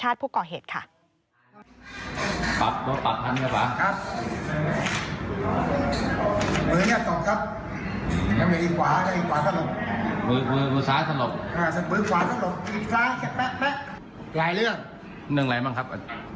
หลายเรื่องเรื่องอะไรบ้างครับ